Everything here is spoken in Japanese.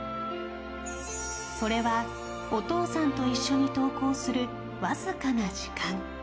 それはお父さんと一緒に登校するわずかな時間。